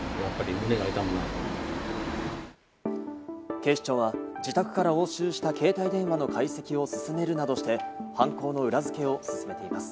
警視庁は自宅から押収した携帯電話の解析を進めるなどして、犯行の裏付けを進めています。